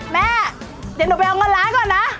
แม่เดี๋ยวหนูไปเอาเงินล้านก่อนนะ